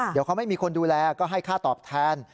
เดี๋ยวเขาไม่มีคนดูแลก็ให้ค่าตอบแทน